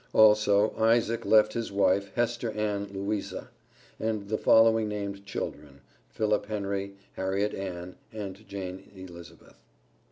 Also Isaac left his wife, Hester Ann Louisa, and the following named children: Philip Henry, Harriet Ann and Jane Elizabeth.